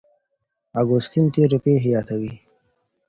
اګوستين تېرې پېښې يادوي.